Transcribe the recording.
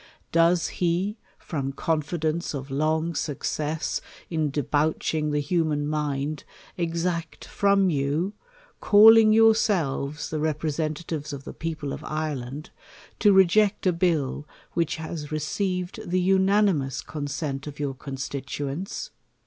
Does he, from confidence of long success ia debauching the human mind, exact from you, calling yourselves the representatives of the people of Ireland, to reject a bill, which has received the unanimous con sent of your constituents